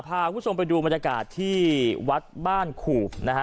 พาคุณผู้ชมไปดูบรรยากาศที่วัดบ้านขูบนะฮะ